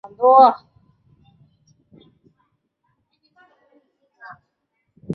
索泼查尼修道院在中世纪塞尔维亚美术中拥有重要地位。